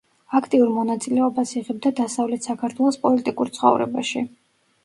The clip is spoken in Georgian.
აქტიურ მონაწილეობას იღებდა დასავლეთ საქართველოს პოლიტიკურ ცხოვრებაში.